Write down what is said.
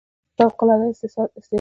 فوق العاده استعداد وښود.